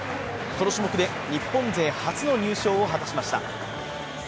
この種目で日本勢初の入賞を果たしました。